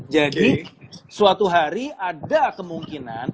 jadi suatu hari ada kemungkinan